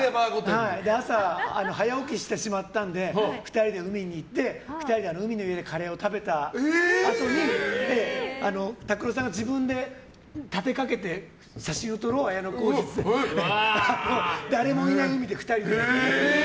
早起きしてしまったので２人で海に行って２人で海の家のカレーを食べたあとにＴＡＫＵＲＯさんが自分で立てかけて写真を撮ろう綾小路って誰もいない海で２人で。